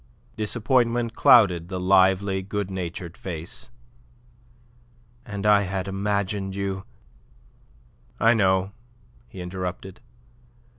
Disappointment clouded the lively, good natured face. "And I had imagined you..." "I know," he interrupted.